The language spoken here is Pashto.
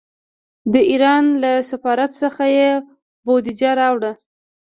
د ایران له سفارت څخه یې بودجه راوړه.